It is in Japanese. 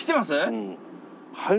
うん。